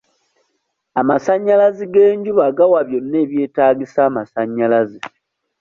Amasannyalaze g'enjuba gawa byonna ebyetaagisa amasannyalaze.